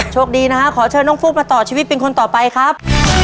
โชคดีนะฮะขอเชิญน้องฟุ๊กมาต่อชีวิตเป็นคนต่อไปครับ